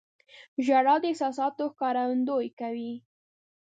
• ژړا د احساساتو ښکارندویي کوي.